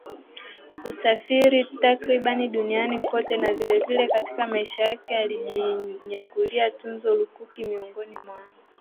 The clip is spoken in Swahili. kusafiri takriban duniani kote na vilevile katika maisha yake alijinyakulia tuzo lukuki Miongoni mwa